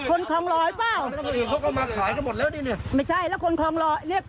คนคองลอยเปล่าเขาก็มาขายกันหมดแล้วนี่เนี้ยไม่ใช่แล้วคนคองลอยเนี้ย